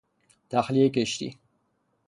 تخلیهی کشتی